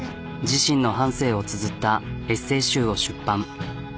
自身の半生をつづったエッセー集を出版。